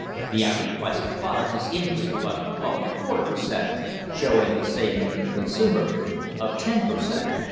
the average price of products has increased but 12! per cent., showing a saving to the consumer of 10 per cent.